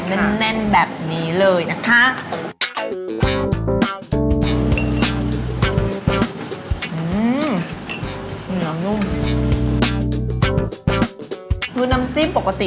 แน่นแบบนี้เลยนะคะ